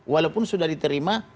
walaupun sudah diterima